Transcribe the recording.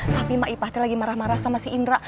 tapi maipa lagi marah marah sama si indra